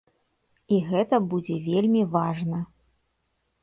І гэта будзе вельмі важна!